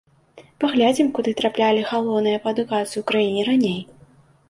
Паглядзім, куды траплялі галоўныя па адукацыі ў краіне раней.